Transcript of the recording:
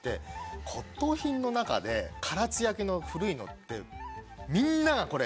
骨董品の中で唐津焼の古いのってみんながこれマニア。